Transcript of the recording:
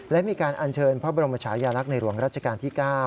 และมีการอัญเชิญพระบรมชายาลักษณ์ในหลวงรัชกาลที่๙